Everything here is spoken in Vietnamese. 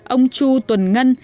ông chu tuần ngân